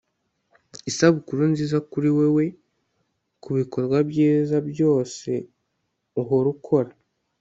isabukuru nziza kuri wewe kubikorwa byiza byose uhora ukora